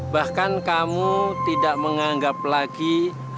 bahkan kamu tidak menganggap lagi hari hari kau berubah